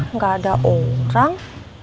nggak ada orang